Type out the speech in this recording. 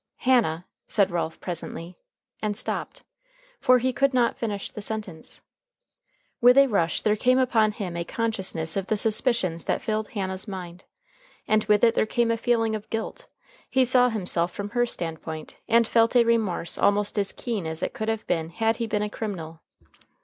"Hannah " said Ralph presently, and stopped. For he could not finish the sentence. With a rush there came upon him a consciousness of the suspicions that filled Hannah's mind. And with it there came a feeling of guilt. He saw himself from her stand point, and felt a remorse almost as keen as it could have been had he been a criminal.